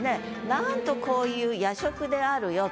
なんとこういう夜食であるよと。